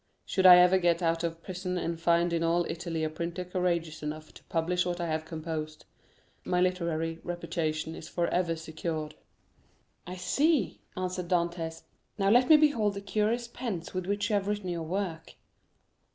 Should I ever get out of prison and find in all Italy a printer courageous enough to publish what I have composed, my literary reputation is forever secured." "I see," answered Dantès. "Now let me behold the curious pens with which you have written your work."